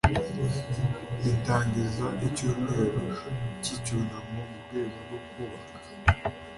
ritangiza icyumweru cy icyunamo mu rwego rwo kubaka